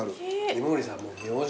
井森さん。